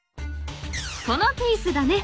［このピースだね］